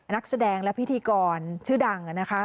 นักแสดงและพิธีกรชื่อดังนะคะ